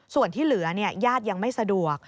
ส่วนที่เหลือญาติยังไม่สะดวก